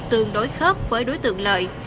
tương đối khớp với đối tượng lợi